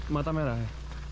mata merah ya